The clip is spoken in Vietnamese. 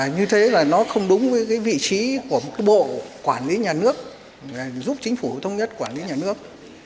như thế là nó không đúng với cái vị trí của bộ quản lý nhà nước giúp chính phủ thông nhất quản lý nhà nước